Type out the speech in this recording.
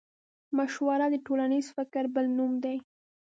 مشوره د ټولنيز فکر بل نوم دی.